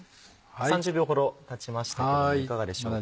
３０秒ほどたちましたけどもいかがでしょうか？